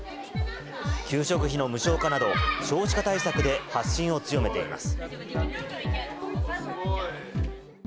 給食費の無償化など、少子化対策で発信を強めています。